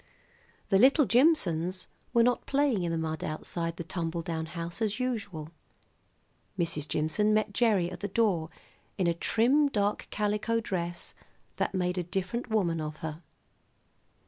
The little Jimsons were not playing in the mud outside the tumble down house as usual. Mrs. Jimson met Gerry at the door in a trim dark calico dress that made a different woman of her.